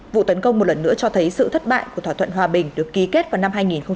vụ tấn công một lần nữa cho thấy sự thất bại của thỏa thuận hòa bình được ký kết vào năm hai nghìn một mươi năm